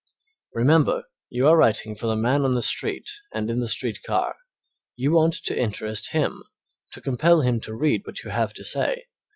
Remember you are writing for the man on the street and in the street car, you want to interest him, to compel him to read what you have to say.